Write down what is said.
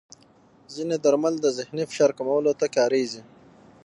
ځینې درمل د ذهني فشار کمولو ته کارېږي.